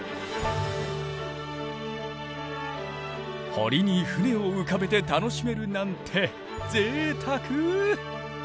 堀に船を浮かべて楽しめるなんてぜいたく！